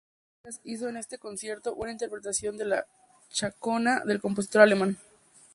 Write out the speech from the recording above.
Alirio Díaz hizo en este concierto una interpretación de la Chacona del compositor alemán.